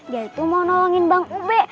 dia itu mau nolongin bank ube